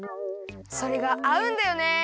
それがあうんだよね！